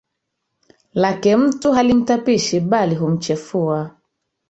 Lake mtu halimtapishi bali humchefusha